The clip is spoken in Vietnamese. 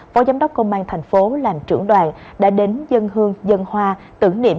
phó giám đốc công an tp hcm làm trưởng đoàn đã đến dân hương dân hoa tưởng niệm